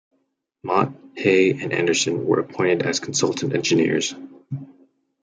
Mott, Hay and Anderson were appointed as consultant engineers.